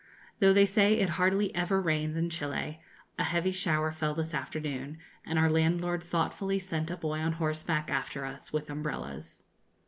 Though they say it hardly ever rains in Chili, a heavy shower fell this afternoon, and our landlord thoughtfully sent a boy on horseback after us with umbrellas.